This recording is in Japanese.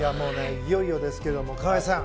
いよいよですけれども川合さん